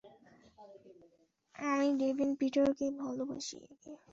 আমি ডেভিন পিটারকে ভালোবাসি!